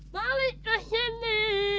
balik ke sini